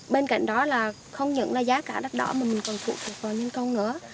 bên cạnh đó là không những là giá cả đắt đỏ mà mình còn phụ thuộc vào nhân câu nữa